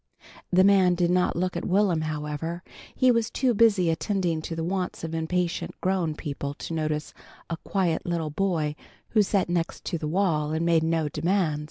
The man did not look at Will'm, however. He was too busy attending to the wants of impatient grown people to notice a quiet little boy who sat next the wall and made no demands.